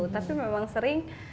tapi memang sering